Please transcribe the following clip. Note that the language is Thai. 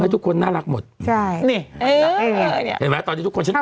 ไม่ทุกคนน่ารักหมดใช่นี่เออเห็นไหมตอนนี้ทุกคน